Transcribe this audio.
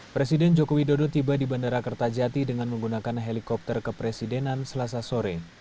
presiden joko widodo tiba di bandara kertajati dengan menggunakan helikopter kepresidenan selasa sore